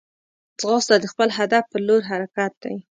ځغاسته د خپل هدف پر لور حرکت دی